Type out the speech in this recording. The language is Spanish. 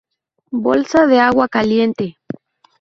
Bolsa de agua caliente